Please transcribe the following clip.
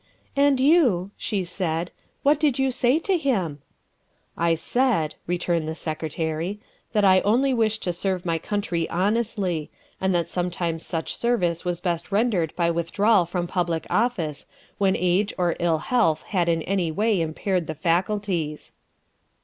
'' "And you," she said, " what did you say to him?" " I said," returned the Secretary, " that I only wished to serve my country honestly, and that some times such service was best rendered by withdrawal from public office when age or ill health had in any way impaired the faculties."